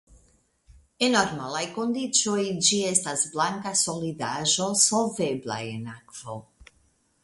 En normalaj kondiĉoj ĝi estas blanka solidaĵo solvebla en akvo.